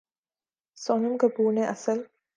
سونم کپور نے اسل